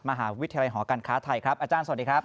มหาวิทยาลัยหอการค้าไทยครับอาจารย์สวัสดีครับ